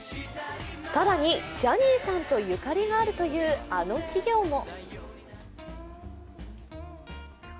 更にジャニーさんとゆかりがあるというあの企業も。